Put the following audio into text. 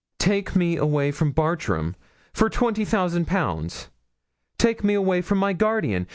'Take me from Bartram for twenty thousand pounds! Take me away from my guardian!